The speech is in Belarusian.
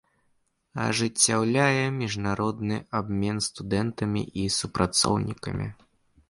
Ажыццяўляе міжнародны абмен студэнтамі і супрацоўнікамі.